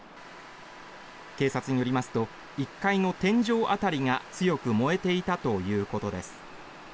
警察によりますと１階の天井あたりが強く燃えていたということです。